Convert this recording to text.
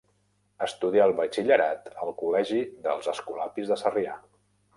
Estudià el batxillerat al col·legi dels Escolapis de Sarrià.